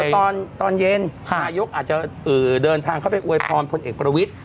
เดี๋ยวตอนเย็นพระนายุทธ์อาจจะเดินทางเข้าไปอวยพรพลเอกประวิษฐ์